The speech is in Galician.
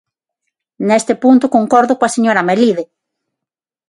Nese punto concordo coa señora Melide.